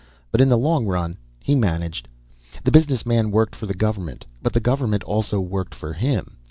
But in the long run, he managed. The business man worked for the government, but the government also worked for him.